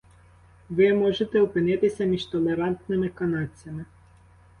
Ви можете опинитися між толерантними канадцями